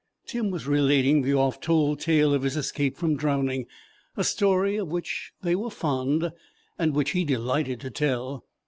Tim was relating the oft told tale of his escape from drowning, a story of which they were fond, and which he delighted to tell.